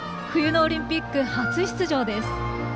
冬のオリンピック初出場です。